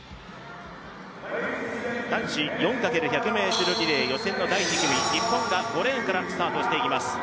男子４×１００ｍリレー予選の第２組日本が、５レーンからスタートしていきます。